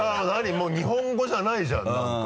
もう日本語じゃないじゃん何か。